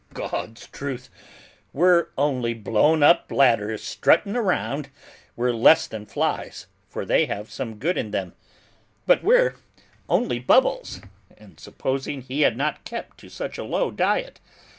Gawd's truth, we're only blown up bladders strutting around, we're less than flies, for they have some good in them, but we're only bubbles. And supposing he had not kept to such a low diet!